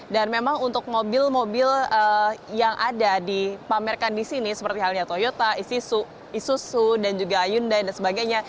dan memang untuk mobil mobil yang ada dipamerkan di sini seperti halnya toyota isuzu dan juga hyundai dan sebagainya